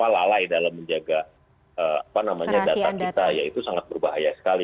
lalai dalam menjaga data kita ya itu sangat berbahaya sekali